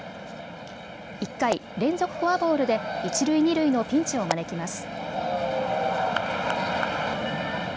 １回、連続フォアボールで一塁二塁のピンチを招きます。